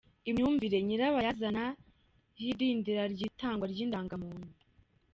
Imyumvire nyirabayazana y’idindira ry’itangwa ry’indangamuntu